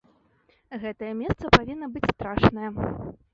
Гэтае месца павінна быць страшнае.